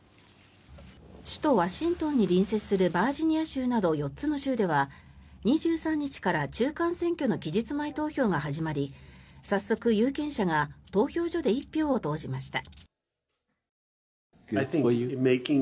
首都ワシントンに隣接するバージニア州など４つの州では２３日から中間選挙の期日前投票が始まり早速、有権者が投票所で一票を投じました。